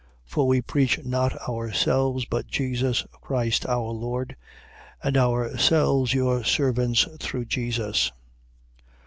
4:5. For we preach not ourselves, but Jesus Christ our Lord: and ourselves your servants through Jesus.